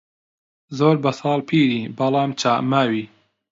زۆر بە ساڵ پیری بەڵام چا ماوی